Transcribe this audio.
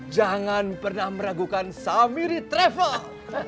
jangan pernah meragukan summiri travel